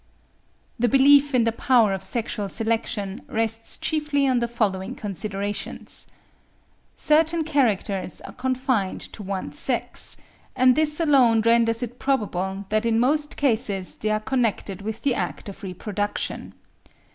The belief in the power of sexual selection rests chiefly on the following considerations. Certain characters are confined to one sex; and this alone renders it probable that in most cases they are connected with the act of reproduction.